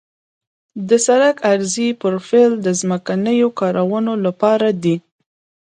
د سړک عرضي پروفیل د ځمکنیو کارونو لپاره دی